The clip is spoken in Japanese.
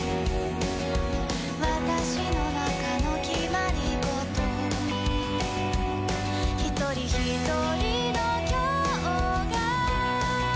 「私の中の決まりごと」「ひとりひとりの今日が」